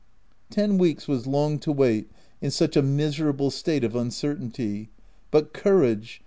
Ten weeks was long to wait in such a misera ble state of uncertainty, but courage